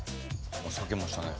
避けましたね。